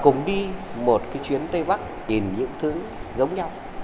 cùng đi một cái chuyến tây bắc tìm những thứ giống nhau